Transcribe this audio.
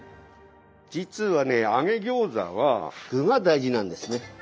実はね揚げ餃子は具が大事なんですね。